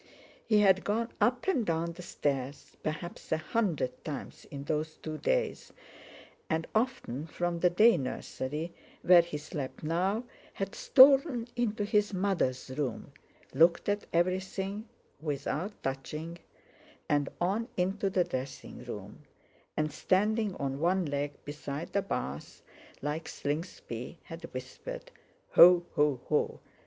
He had gone up and down the stairs perhaps a hundred times in those two days, and often from the day nursery, where he slept now, had stolen into his mother's room, looked at everything, without touching, and on into the dressing room; and standing on one leg beside the bath, like Slingsby, had whispered: "Ho, ho, ho!